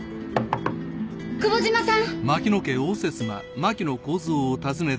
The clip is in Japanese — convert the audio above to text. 久保島さん！